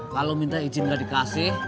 kalau minta izin nggak dikasih